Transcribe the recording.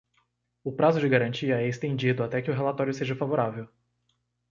O prazo de garantia é estendido até que o relatório seja favorável.